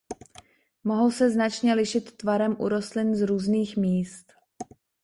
Mohou se značně lišit tvarem u rostlin z různých míst.